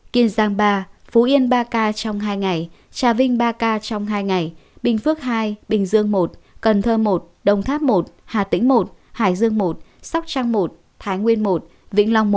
kiên giang ba phú yên ba ca trong hai ngày trà vinh ba ca trong hai ngày bình phước hai bình dương một cần thơ một đồng tháp một hà tĩnh một hải dương một sóc trăng một thái nguyên một vĩnh long một